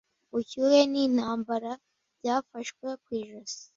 Ubushyuhe nintambarabyafashwe ku ijosi